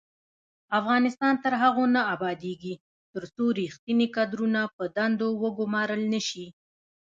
افغانستان تر هغو نه ابادیږي، ترڅو ریښتیني کادرونه په دندو وګمارل نشي.